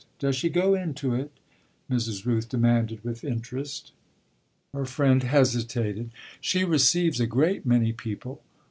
"Does she go into it?" Mrs. Rooth demanded with interest. Her friend hesitated. "She receives a great many people."